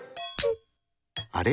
あれ？